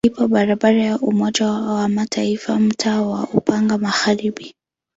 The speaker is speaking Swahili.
Ipo barabara ya Umoja wa Mataifa mtaa wa Upanga Magharibi.